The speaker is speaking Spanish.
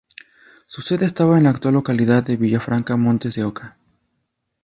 Su sede estaba en la actual localidad de Villafranca Montes de Oca.